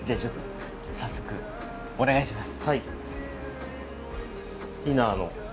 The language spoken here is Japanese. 早速お願いします。